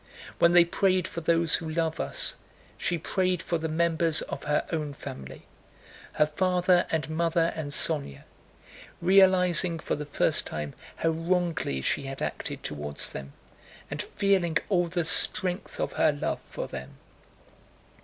When they prayed for those who love us, she prayed for the members of her own family, her father and mother and Sónya, realizing for the first time how wrongly she had acted toward them, and feeling all the strength of her love for them.